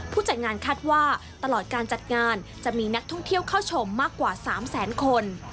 จัดงานคาดว่าตลอดการจัดงานจะมีนักท่องเที่ยวเข้าชมมากกว่า๓แสนคน